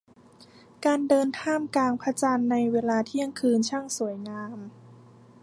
การเดินท่ามกลางพระจันทร์ในเวลาเที่ยงคืนช่างสวยงาม